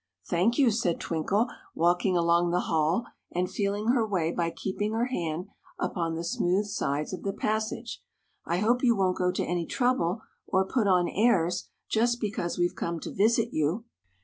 "Thank you," said Twinkle, walking along the hall and feeling her way by keeping her hand upon the smooth sides of the passage. "I hope you won't go to any trouble, or put on airs, just because we've come to visit you."